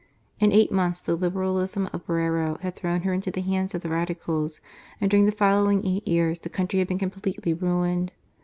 In eight months the Liberalism of Borrero had thrown her into the hands of the Radicals ; and during the following eight years the country had been completely ruined.